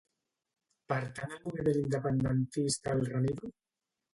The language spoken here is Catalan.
Pertany al moviment independentista el Ramiro?